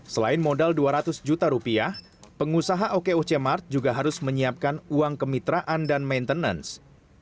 selain modal dua ratus juta rupiah pengusaha okoc mart juga harus menyiapkan uang kemitraan dan maintenance